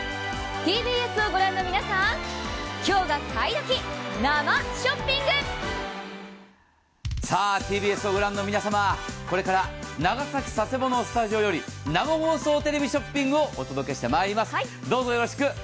ＴＢＳを御覧の皆様、これから長崎・佐世保のスタジオよりこれから長崎・佐世保のスタジオより生放送テレビショッピングをお届けしてまいります。